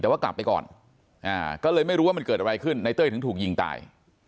แต่ว่ากลับไปก่อนก็เลยไม่รู้ว่ามันเกิดอะไรขึ้นในเต้ยถึงถูกยิงตาย